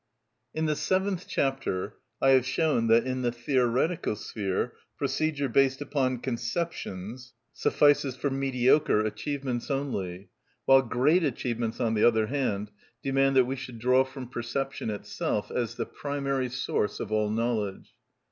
In the seventh chapter I have shown that, in the theoretical sphere, procedure based upon conceptions suffices for mediocre achievements only, while great achievements, on the other hand, demand that we should draw from perception itself as the primary source of all knowledge.